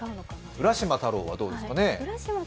浦島太郎はどうですかね？